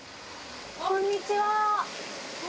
こんにちは。